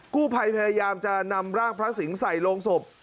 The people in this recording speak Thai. กู้ภัยพยายามจะนำร่างพระสิงห์ใส่โรงศพ